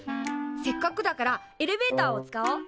せっかくだからエレベーターを使おう。